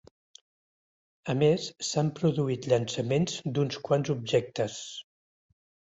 A més, s’han produït llançaments d’uns quants d’objectes.